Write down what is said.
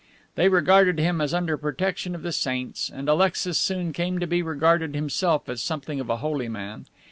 They regarded him as under protection of the saints, and Alexis soon came to be regarded himself as something of a holy man.